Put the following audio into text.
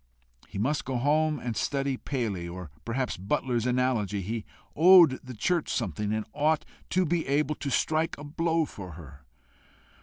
He must go home and study Paley or perhaps Butler's Analogy he owed the church something, and ought to be able to strike a blow for her.